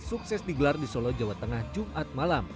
sukses digelar di solo jawa tengah jumat malam